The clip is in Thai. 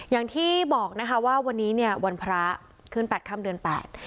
อย่างที่บอกนะคะว่าวันนี้เนี่ยวันพระขึ้นแปดค่ำเดือนแปด